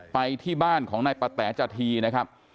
ไปที่บ้านของนายปะแต๋จทีนะครับ